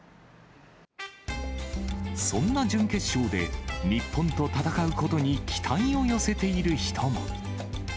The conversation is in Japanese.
そんな準決勝で、日本と戦うことに期待を寄せている人も。